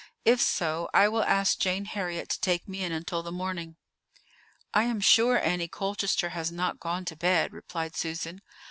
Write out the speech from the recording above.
If so, I will ask Jane Heriot to take me in until the morning." "I am sure Annie Colchester has not gone to bed," replied Susan.